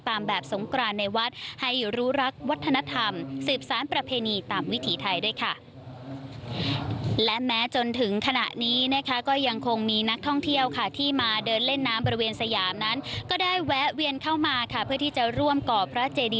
ตามแบบสงกราณในวัด